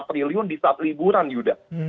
empat triliun di saat liburan yuda